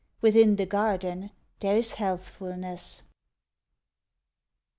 Within the garden there is healthfulness.